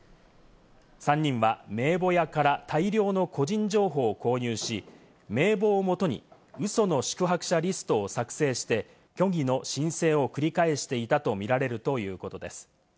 ３人は名簿屋から大量の個人情報を購入し、名簿をもとにウソの宿泊者リストを作成して、虚偽の申請を繰り返していたとみられるということです。